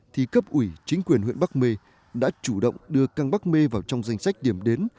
thì cấp ủy chính quyền huyện bắc mê đã chủ động đưa căng bắc mê vào trong danh sách điểm đến